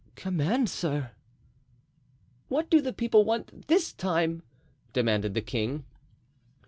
"Command, sir." "What do the people want this time?" demanded the king.